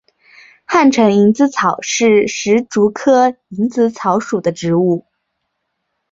汉城蝇子草是石竹科蝇子草属的植物。